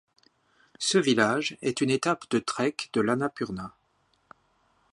Ce village est une étape de trek de l'Annapurna.